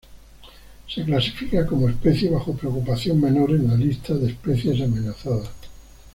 Se clasifica como especie bajo preocupación menor en la lista de especies amenazadas.